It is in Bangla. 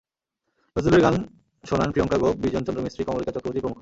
নজরুলের গান শোনান প্রিয়াংকা গোপ, বিজন চন্দ্র মিস্ত্রি, কমলিকা চক্রবর্তী প্রমুখ।